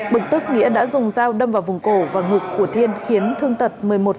bực tức nghĩa đã dùng dao đâm vào vùng cổ và ngực của thiên khiến thương tật một mươi một